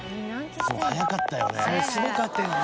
早かったよね。